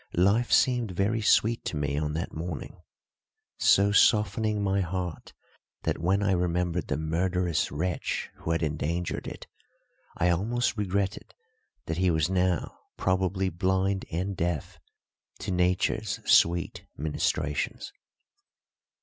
Life seemed very sweet to me on that morning, so softening my heart that when I remembered the murderous wretch who had endangered it I almost regretted that he was now probably blind and deaf to nature's sweet ministrations.